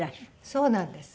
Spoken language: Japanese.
そうなんです。